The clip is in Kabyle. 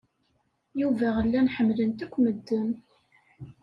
Yuba llan ḥemmlen-t akk medden.